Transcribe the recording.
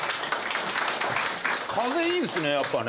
風いいですねやっぱね。